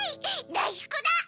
だいふくだ！